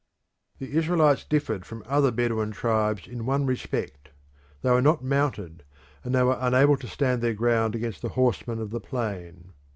The Israelites differed from other Bedouin tribes in one respect they were not mounted, and they were unable to stand their ground against the horsemen of the plain.